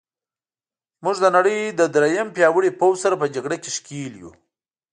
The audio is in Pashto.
موږ د نړۍ له درېیم پیاوړي پوځ سره په جګړه کې ښکېل یو.